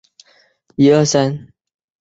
镇政府驻镇江圩。